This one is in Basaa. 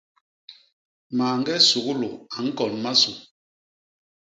Mañge suglu a ñkon masu.